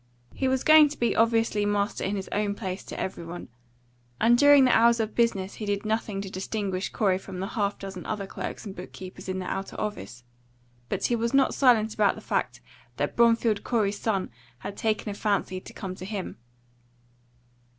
He was going to be obviously master in his own place to every one; and during the hours of business he did nothing to distinguish Corey from the half dozen other clerks and book keepers in the outer office, but he was not silent about the fact that Bromfield Corey's son had taken a fancy to come to him.